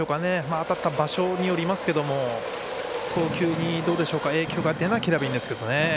当たった場所によりますけども投球に影響が出なければいいんですけどね。